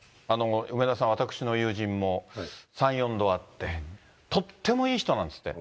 梅沢さん、私の友人も、３、４度あって、とってもいい人なんですって。